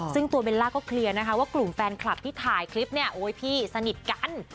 ซึ่งตัวเบลล่าก็เคลียร์นะคะว่ากลุ่มแฟนคลับที่ถ่ายคลิปเนี่ยโอ๊ยพี่สนิทกัน